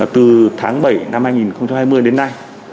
từ tháng bảy năm hai nghìn hai mươi đến nay